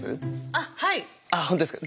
あっ本当ですか。